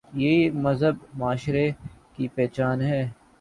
یہی ایک مہذب معاشرے کی پہچان ہے۔